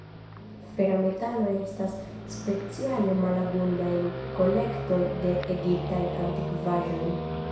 Fera metalo estas speciale malabunda en kolektoj de egiptaj antikvaĵoj.